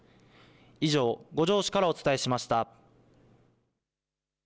以上、五條市からお伝えしました。